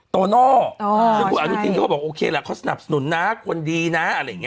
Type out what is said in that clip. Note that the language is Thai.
ตัวหน้าอ๋อใช่ที่เขาบอกโอเคละเขาสนับสนุนนะคนดีนะอะไรอย่างเงี้ย